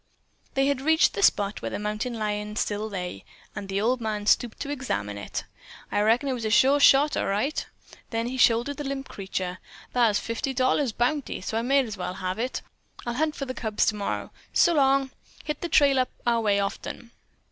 They had reached the spot where the mountain lion still lay, and the old man stooped to examine it. "I reckon that was a sure shot, all right." Then he shouldered the limp creature. "Thar's fifty dollars bounty, so I might as well have it. I'll hunt for the cubs tomorrer. So long. Hit the trail up our way often."